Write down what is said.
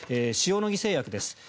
塩野義製薬です。